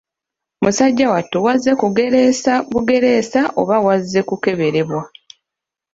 Musajja wattu wazze kugereesa bugereesa oba wazze kukeberebwa?